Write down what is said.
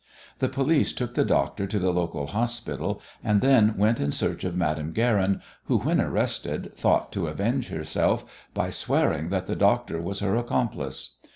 The police took the doctor to the local hospital, and then went in search of Madame Guerin who, when arrested, thought to avenge herself by swearing that the doctor was her accomplice.